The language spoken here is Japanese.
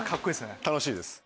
楽しいです。